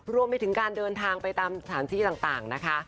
รวมไปถึงการเดินทางไปตามสถานที่ต่างนะคะ